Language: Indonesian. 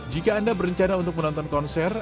jika anda berencana untuk menonton konser